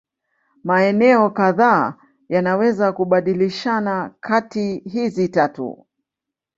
Maeneo kadhaa yanaweza kubadilishana kati hizi tatu.